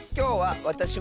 「わたしは」。